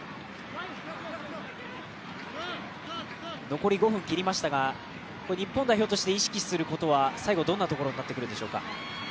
残り５分切りましたが、日本代表として意識することは最後どういうところになってきますか？